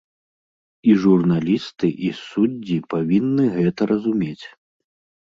І журналісты, і суддзі павінны гэта разумець.